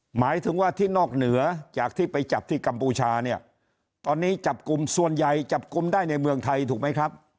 หมายถึงว่าที่นอกเหนือจากที่ไปจับที่กัมพูชาเนี่ยตอนนี้จับกลุ่มส่วนใหญ่จับกลุ่มได้ในเมืองไทยถูกไหมครับ